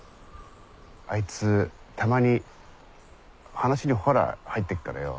あいつたまに話にホラ入ってっからよ。